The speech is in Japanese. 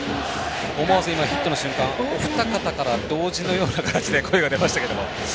思わず、今、ヒットの瞬間お二方から同時のような形で声が出ましたけど。